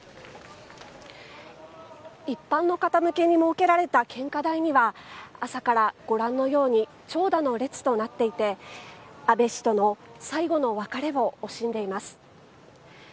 一般の方向けに設けられた献花台には、朝からご覧のように長蛇の列となっていて、安倍氏との最後の別れを惜しんでいます。